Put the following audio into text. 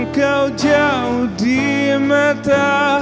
kau jauh di mata